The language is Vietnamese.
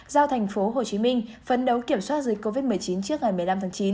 giao thành phố hồ chí minh phấn đấu kiểm soát dịch covid một mươi chín trước ngày một mươi năm tháng chín